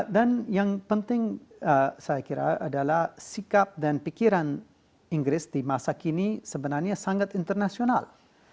dan yang penting saya kira adalah sikap dan pikiran inggris di masa kini sebenarnya sangat internasional